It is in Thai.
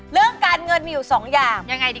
เรื่องการเงินมี๒อย่าง